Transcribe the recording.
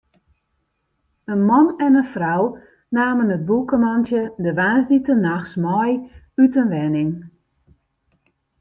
In man en in frou namen it bûkemantsje de woansdeitenachts mei út in wenning.